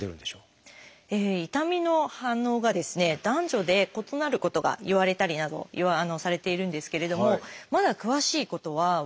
痛みの反応が男女で異なることがいわれたりなどされているんですけどもまだ詳しいことは分かっていないんですね。